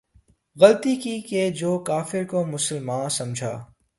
غلطی کی کہ جو کافر کو مسلماں سمجھا